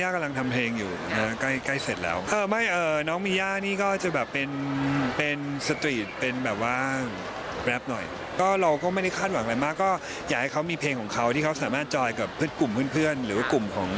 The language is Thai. กลุ่มเพื่อนหรือว่ากลุ่มของแฟนน้องก็ได้เท่านั้นเอง